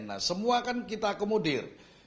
nah semua kan kita komodir